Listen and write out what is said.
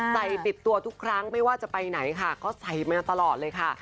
ติดตัวทุกครั้งไม่ว่าจะไปไหนค่ะก็ใส่มาตลอดเลยค่ะ